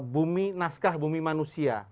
bumi naskah bumi manusia